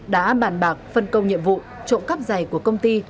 đã bàn bạc phân công nhiệm vụ trộm cắp giày của công ty